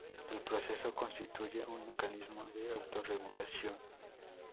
El proceso constituye un mecanismo de autorregulación.